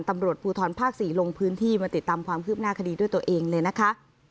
ตำรวจภูทรภาค๔ลงพื้นที่มาติดตามความคืบหน้าคดีด้วยตัวเองเลยนะคะ